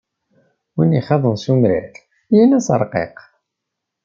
Win ixaḍen s umrar, yini-as ṛqiq.